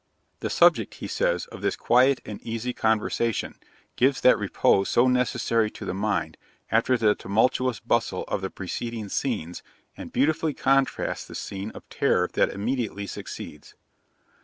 'The subject,' he says, 'of this quiet and easy conversation, gives that repose so necessary to the mind, after the tumultuous bustle of the preceding scenes, and beautifully contrasts the scene of terror that immediately succeeds.'